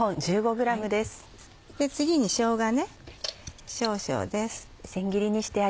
次にしょうがね少々です。